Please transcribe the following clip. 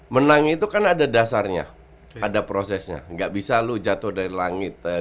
menang itu kan ada dasarnya ada prosesnya nggak bisa lu jatuh dari langit gol gol bisa jatuh dari